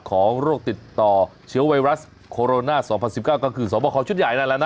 โรคติดต่อเชื้อไวรัสโคโรนา๒๐๑๙ก็คือสวบคอชุดใหญ่นั่นแหละนะ